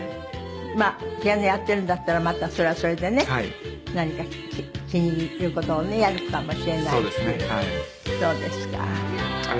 まあピアノやっているんだったらまたそれはそれでね何か気に入る事をねやるかもしれないし。